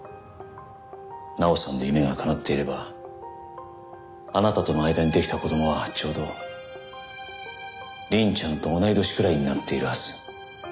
奈緒さんの夢が叶っていればあなたとの間にできた子供はちょうど凛ちゃんと同い年くらいになっているはず。